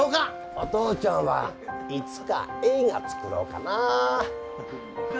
お父ちゃんはいつか映画作ろうかな。